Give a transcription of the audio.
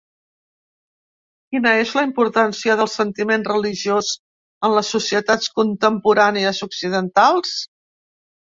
Quina és la importància del sentiment religiós en les societats contemporànies occidentals?